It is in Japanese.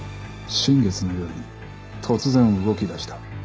新月の夜に突然動き出した。